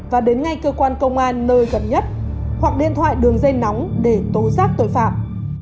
và đến ngay cơ quan công an nơi gần nhất hoặc điện thoại đường dây nóng để tố giác tội phạm